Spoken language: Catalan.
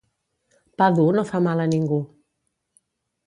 Pa dur no fa mal a ningú.